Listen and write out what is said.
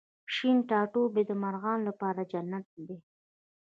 شین ټاټوبی د مرغانو لپاره جنت دی